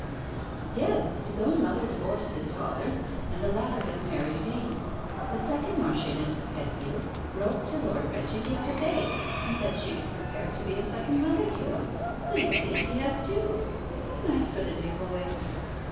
"Yes. His own mother divorced his father, and the latter has married again. The second Marchioness of Hedfield wrote to Lord Reggie the other day, and said she was prepared to be a second mother to him. So you see he has two. So nice for the dear boy."